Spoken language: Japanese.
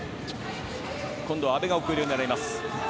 今度は阿部が奥襟を狙います。